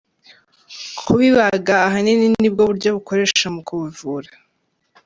Kubibaga ahanini nibwo buryo bukoresha mu kubivura.